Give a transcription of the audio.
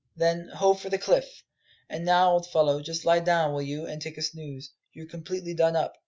Then, ho for the cliff! And now, old fellow, just lie down, will you, and take a snooze: you're completely done up.